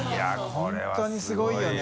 本当にすごいよね。